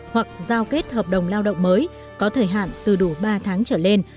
hoặc giao kết hợp đồng lao động mới có thời hạn từ đủ ba tháng trở lên